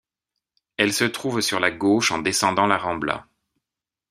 Elle se trouve sur la gauche en descendant la Rambla.